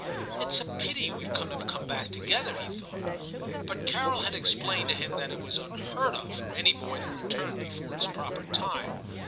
* It's a pity we couldn't have come back together/ he thought ; but Carol had explained to him that it was unheard of for any boy to return before his proper time.